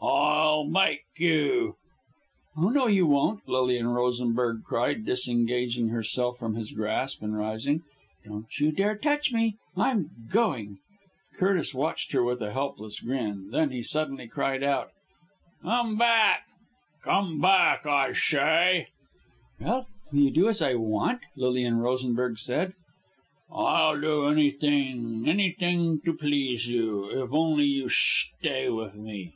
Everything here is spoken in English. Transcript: "I'll make you." "Oh, no, you won't," Lilian Rosenberg cried, disengaging herself from his grasp, and rising. "Don't you dare touch me. I'm going." Curtis watched her with a helpless grin. Then he suddenly cried out, "Come back! Come back, I shay!" "Well, will you do as I want?" Lilian Rosenberg said. "I'll do anything anything to please you if only you shtay with me."